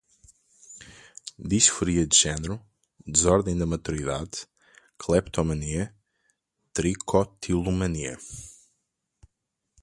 disforia de gênero, desordem da maturidade, cleptomania, tricotilomania